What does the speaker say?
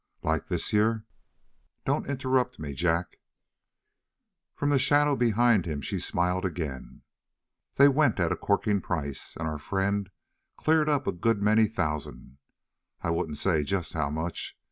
"Like this year?" "Don't interrupt me, Jack!" From the shadow behind him she smiled again. "They went at a corking price, and our friend cleared up a good many thousand I won't say just how much.